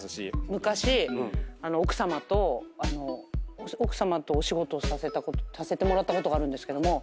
昔奥さまとお仕事をさせてもらったことがあるんですけども。